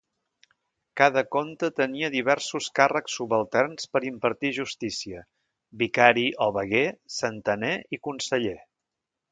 Cada comte tenia diversos càrrecs subalterns per impartir justícia: vicari o veguer, centener, i conseller.